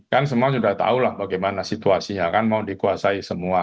kan semua sudah tahu lah bagaimana situasinya kan mau dikuasai semua